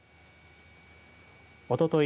おととい